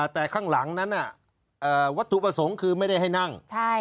แต่ข้างหลังนั้นวัตถุประสงค์คือไม่ได้ให้นั่ง